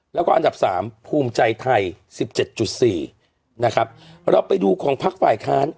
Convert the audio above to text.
แล้วก็อันดับสามภูมิใจไทย๑๗๔นะครับเราไปดูของพักฝ่ายค้าน